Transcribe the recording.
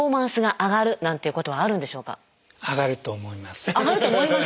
上がると思います